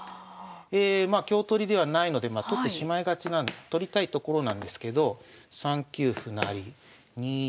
まあ香取りではないので取ってしまいがち取りたいところなんですけど３九歩成２一